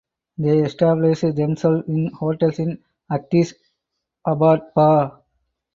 They established themselves in hotels in Addis Ababa.